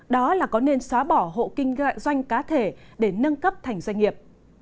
đó là có nên xóa bỏ hộ kinh doanh doanh cá thể để nâng cấp thành doanh nghiệp